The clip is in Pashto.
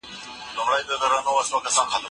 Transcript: آیا دا آسماني تیږه به رښتیا نړۍ له منځه یوسي؟